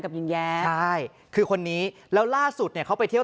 หญิงแย้ใช่คือคนนี้แล้วล่าสุดเนี่ยเขาไปเที่ยว